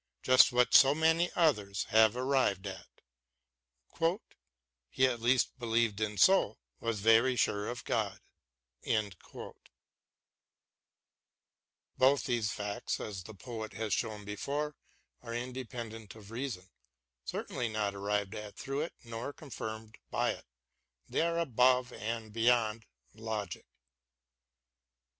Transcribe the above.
— ^just what I, just what so many others have arrived at : He at least beheved in soul, was very sure of God, Both these facts, as the poet has shown before, are independent of reason : certainly not arrived 224 BROWNING AND MONTAIGNE at through it nor confirmed by it ; they are above and beyond logic.